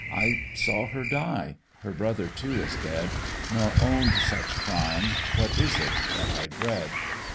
I saw her die: her brother too is dead; Nor own'd such crime what is it that I dread?